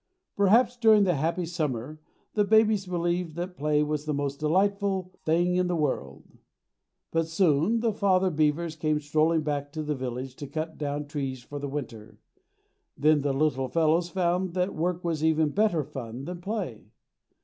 Perhaps during the happy summer the babies believed that play was the most delightful thing in the world. But soon the father beavers came strolling back to the village to cut down trees for the winter. Then the little fellows found that work was even better fun than play.